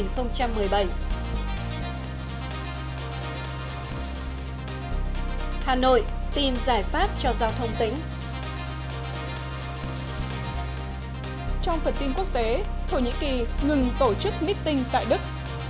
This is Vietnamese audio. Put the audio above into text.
trong phần tin quốc tế thổ nhĩ kỳ ngừng tổ chức meeting tại đức